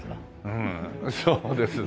うんそうですね。